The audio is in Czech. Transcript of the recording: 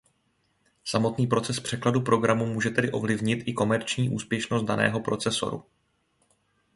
Samotný proces překladu programu může tedy ovlivnit i komerční úspěšnost daného procesoru.